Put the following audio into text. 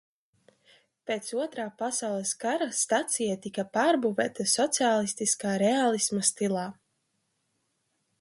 Pēc Otrā pasaules kara stacija tika pārbūvēta sociālistiskā reālisma stilā.